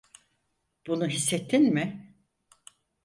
Bunu hissettin mi?